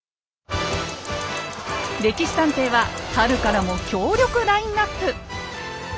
「歴史探偵」は春からも強力ラインナップ！